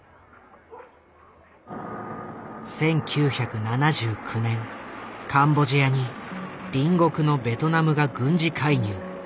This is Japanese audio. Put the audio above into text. １９７９年カンボジアに隣国のベトナムが軍事介入。